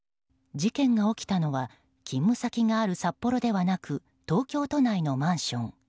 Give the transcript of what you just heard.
事件が起きたのは勤務先がある札幌ではなく東京都内のマンション。